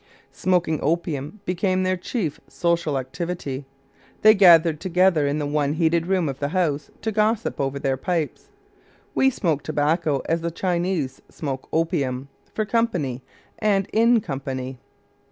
Smoking opium became their chief social activity; they gathered together in the one heated room of the house to gossip over their pipes. We smoke tobacco as the Chinese smoke opium, "for company" and in company.